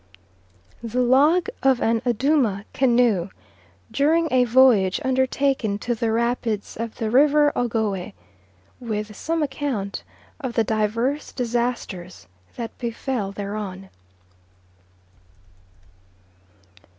The Log of an Adooma canoe during a voyage undertaken to the rapids of the River Ogowe, with some account of the divers disasters that befell thereon.